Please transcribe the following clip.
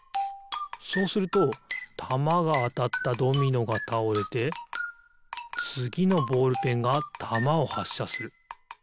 そうするとたまがあたったドミノがたおれてつぎのボールペンがたまをはっしゃする。